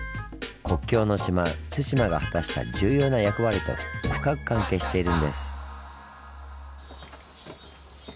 国境の島・対馬が果たした重要な役割と深く関係しているんです。